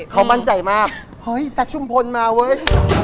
เขามั่นใจมากเฮ้ยแซคชุมพลมาเว้ย